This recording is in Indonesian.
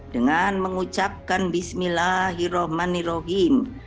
dengan mengucapkan bismillahirrohmanirrohim